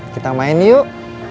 kita main yuk